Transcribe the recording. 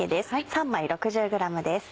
３枚６０ｇです。